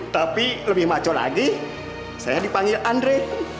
tapi lebih maco lagi saya dipanggil andre